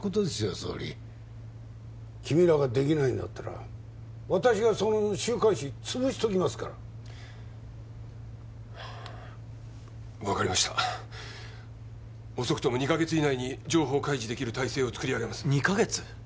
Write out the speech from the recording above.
総理君らができないんだったら私がその週刊誌つぶしときますから分かりました遅くとも２カ月以内に情報開示できる体制を作り上げます２カ月？